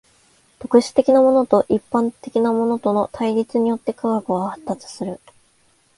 特殊的なものと一般的なものとの対立によって科学は発達する。